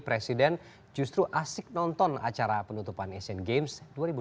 presiden justru asik nonton acara penutupan asian games dua ribu delapan belas